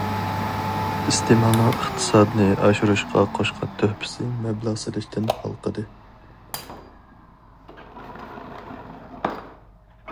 ئىستېمالنىڭ ئىقتىسادنى ئاشۇرۇشقا قوشقان تۆھپىسى مەبلەغ سېلىشتىن ھالقىدى.